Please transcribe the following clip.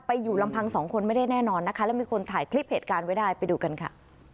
อยู่ลำพังสองคนไม่ได้แน่นอนนะคะแล้วมีคนถ่ายคลิปเหตุการณ์ไว้ได้ไปดูกันค่ะ